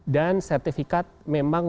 dan sertifikat memang